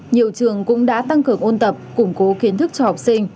nhiều trường cũng đã tăng cường ôn tập củng cố kiến thức cho học sinh